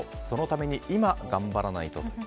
そのために今、頑張らないと。